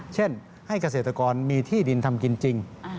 เช่นให้เกษตรกรมีที่ดินทำกินจริง